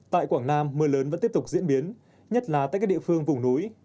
tại quảng nam mưa lớn vẫn tiếp tục diễn biến nhất là tại các địa phương vùng núi